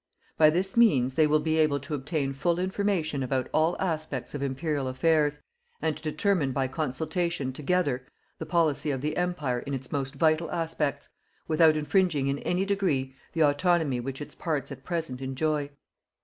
By this means they will be able to obtain full information about all aspects of Imperial affairs, and to determine by consultation together the policy of the Empire in its most vital aspects, without infringing in any degree the autonomy which its parts at present enjoy.